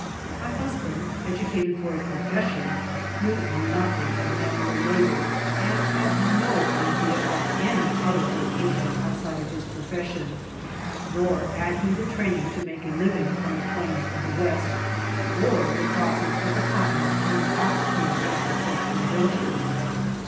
My husband, educated for a profession, knew nothing of manual labor, and had no idea of any other voca tion outside of his profession ; nor had he the train ing to make a living on the plains of the West, or the crossing of the continent in an ox team a success ful venture.